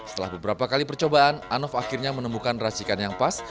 setelah beberapa kali percobaan anof akhirnya menemukan racikan yang pas